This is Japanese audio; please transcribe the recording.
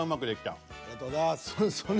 ありがとうございます。